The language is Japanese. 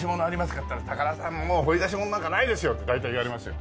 って言ったら高田さんもう掘り出し物なんかないですよ！って大体言われますよ。